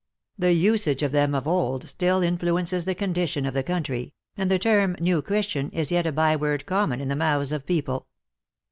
The usage of them of old still influences the condition of the country, and the term New Christian is yet a by word common in the mouths of people."